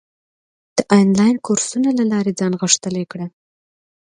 د انلاین کورسونو له لارې ځان غښتلی کړه.